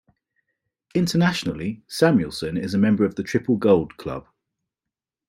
Internationally, Samuelsson is a member of the Triple Gold Club.